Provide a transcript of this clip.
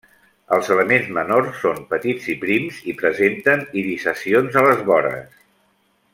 Els elements menors són petits i prims i presenten irisacions a les vores.